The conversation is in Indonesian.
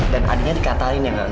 dan adeknya dikatain ya gak